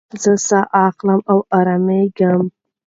زه ساه اخلم او ارامېږم.